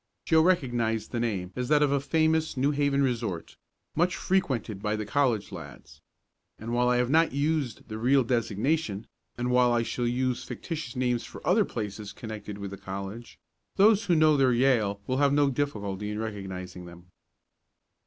Joe recognized the name as that of a famous New Haven resort, much frequented by the college lads, and, while I have not used the real designation, and while I shall use fictitious names for other places connected with the college, those who know their Yale will have no difficulty in recognizing them.